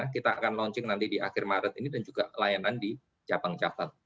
kita akan launching nanti di akhir maret ini dan juga layanan di cabang cabang